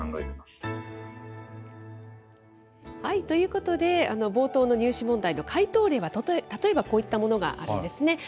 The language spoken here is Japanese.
ということで、冒頭の入試問題の解答例は例えばこういったものがあるんですね。